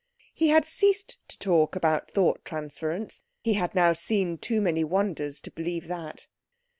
He had ceased to talk about thought transference. He had now seen too many wonders to believe that.